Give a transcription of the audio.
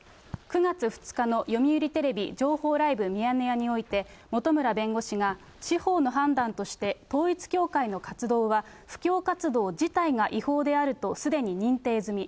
９月２日の読売テレビ情報ライブミヤネ屋において、本村弁護士が、司法の判断として統一教会の活動は布教活動自体が違法であるとすでに認定済み。